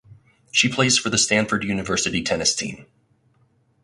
She plays for the Stanford University tennis team.